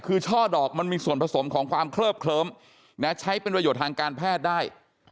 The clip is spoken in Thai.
คือช่อดอกมันมีส่วนผสมของความเคลิบเคลิ้มใช้เป็นประโยชน์ทางการแพทย์ได้